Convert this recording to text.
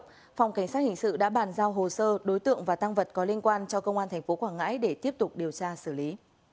phòng cảnh sát hình sự đã bàn giao hồ sơ đối tượng và tăng vật có liên quan cho công an tp quảng ngãi để tiếp tục điều tra xử lý